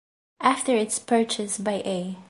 After its purchase by A.